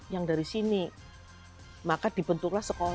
yang dari sini maka dibentuklah sekolah